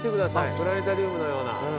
プラネタリウムのような。